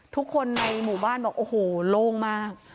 ทุกคนในหมู่บ้านบอกโอ้โหโล่งมาก